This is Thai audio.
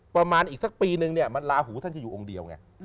ประมาณอีกสักปีนึงเนี่ยลาหูท่านจะอยู่องค์เดียวไง